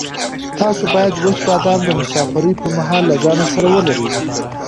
تاسو باید وچ بادام د مسافرۍ پر مهال له ځان سره ولرئ.